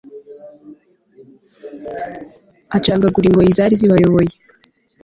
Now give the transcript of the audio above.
acagagura ingoyi zari zibaboshye